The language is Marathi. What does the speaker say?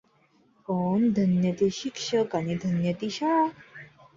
पण धन्य ते शिक्षक आणि धन्य ती शाळा.